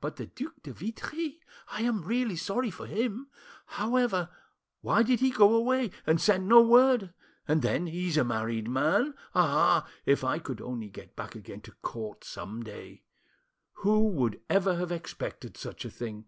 But the Duc de Vitry? I am really sorry for him. However, why did he go away, and send no word? And then, he's a married man. Ah! if I could only get back again to court some day!... Who would ever have expected such a thing?